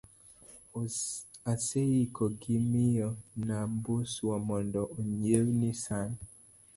aseiko gi miyo Nambuswa mondo onyiewni san